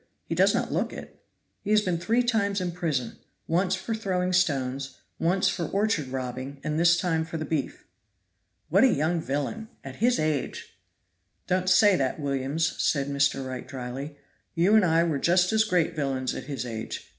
he does not look it." "He has been three times in prison; once for throwing stones, once for orchard robbing, and this time for the beef." "What a young villain! at his age " "Don't say that, Williams," said Mr. Wright dryly, "you and I were just as great villains at his age.